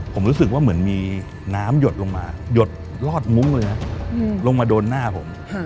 ผมรู้สึกว่าเหมือนมีน้ำหยดลงมาหยดลอดมุ้งเลยนะลงมาโดนหน้าผม